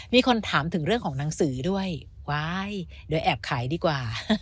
มีคนถามถึงเรื่องของหนังสือด้วยว้ายเดี๋ยวแอบขายดีกว่า